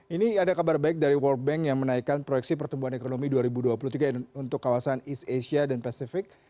ini ada kabar baik dari world bank yang menaikkan proyeksi pertumbuhan ekonomi dua ribu dua puluh tiga untuk kawasan east asia dan pacific